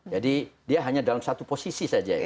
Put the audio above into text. jadi dia hanya dalam satu posisi saja ya